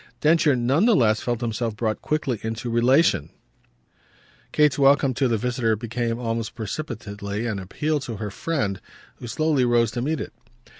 Densher none the less felt himself brought quickly into relation; Kate's welcome to the visitor became almost precipitately an appeal to her friend, who slowly rose to meet it.